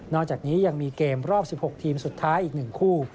อกจากนี้ยังมีเกมรอบ๑๖ทีมสุดท้ายอีก๑คู่